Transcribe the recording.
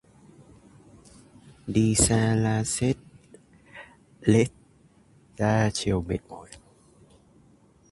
Đi xa la xết lết ra chiều mệt mỏi